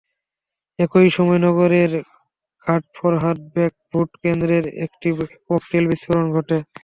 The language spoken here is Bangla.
একই সময়ে নগরের ঘাটফরহাদ বেগ ভোটকেন্দ্রের কাছে একটি ককটেল বিস্ফোরণ ঘটে।